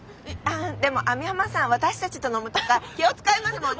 でも網浜さん私たちと飲むとか気を遣いますもんね。